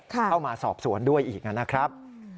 เข้ามาสอบสวนด้วยอีกนะครับ